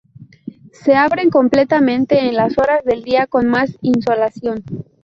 Se abren completamente en las horas del día con más insolación.